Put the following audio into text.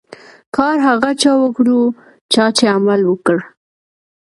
کار هغه چا وکړو، چا چي عمل وکړ.